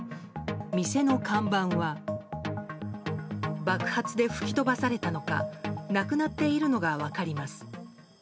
店の看板は爆発で吹き飛ばされたのかなくなっているのが分かります。